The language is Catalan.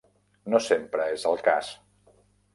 No sempre és el cas.